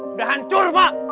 udah hancur pak